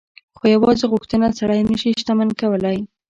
خو يوازې غوښتنه سړی نه شي شتمن کولای.